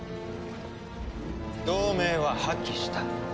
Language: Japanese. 同盟は破棄した。